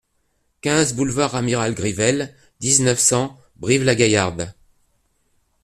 quinze boulevard Amiral Grivel, dix-neuf, cent, Brive-la-Gaillarde